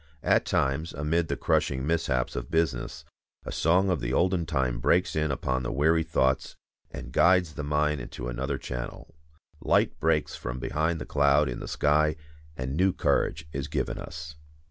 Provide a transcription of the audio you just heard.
At times, amid the crushing mishaps of business, a song of the olden time breaks in upon the weary thoughts and guides the mind into another channel—light breaks from behind the cloud in the sky, and new courage is given us.